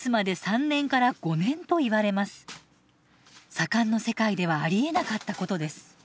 左官の世界ではありえなかったことです。